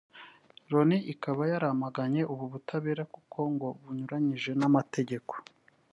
loni ikaba yaramaganye ubu butabera kuko ngo bunyuranyije n’amategeko